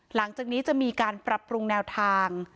หลังจากนี้จะมีการปรับปรุงแนวทาง